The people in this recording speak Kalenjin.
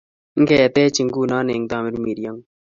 I-ng'eetech nguno eng` Tamirmirieng'ung`